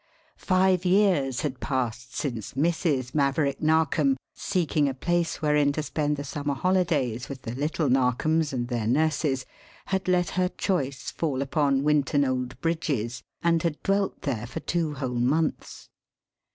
Five years had passed since Mrs. Maverick Narkom, seeking a place wherein to spend the summer holidays with the little Narkoms and their nurses, had let her choice fall upon Winton Old Bridges and had dwelt there for two whole months.